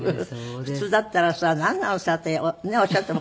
普通だったらさなんなのさっておっしゃっても構わないのにさ。